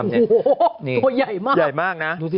โอ้โหตัวใหญ่มากใหญ่มากนะดูสิ